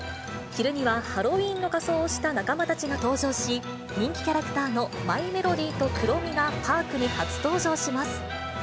昼には、ハロウィーンの仮装をした仲間たちが登場し、人気キャラクターのマイメロディとクロミがパークに初登場します。